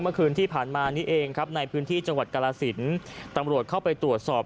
เมื่อคืนที่ผ่านมานี้เองครับในพื้นที่จังหวัดกรสินตำรวจเข้าไปตรวจสอบ